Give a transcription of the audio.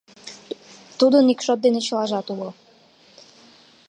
Тудын ик шот дене чылажат уло.